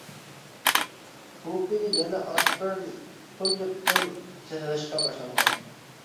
بۇ كۈنى يەنە ئاسپىرىن تۇنجى قېتىم سېتىلىشقا باشلانغان.